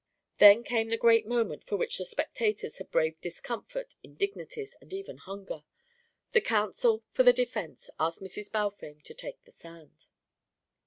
Then came the great moment for which the spectators had braved discomfort, indignities, and even hunger. The counsel for the defence asked Mrs. Balfame to take the stand.